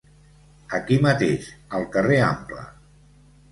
Aquí mateix, al Carrer Ample.